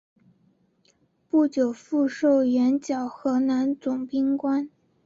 不久复授援剿河南总兵官。